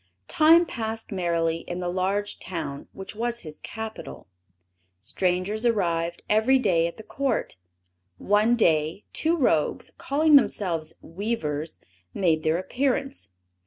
Time passed merrily in the large town which was his capital; strangers arrived every day at the court. One day, two rogues, calling themselves weavers, made their appearance.